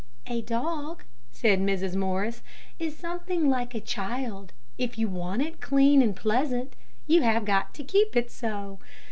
"A dog," said Mrs. Morris, "is something like a child. If you want it clean and pleasant, you have got to keep it so.